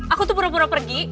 aku tuh pura pura pergi